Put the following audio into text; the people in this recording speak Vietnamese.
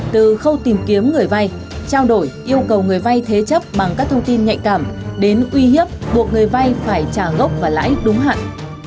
từ khâu tìm kiếm người vay trao đổi yêu cầu người vay thế chấp bằng các thông tin nhạy cảm đến uy hiếp buộc người vay phải trả gốc và lãi đúng hạn